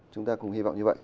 chúng ta cũng hy vọng như vậy